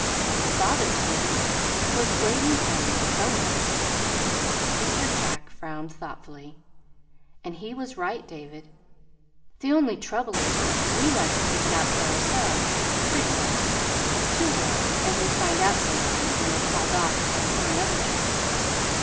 "Father told me 't was waiting for me somewhere." Mr. Jack frowned thoughtfully. "And he was right, David. The only trouble is, we like to pick it out for ourselves, pretty well, too well, as we find out sometimes, when we're called off for another job."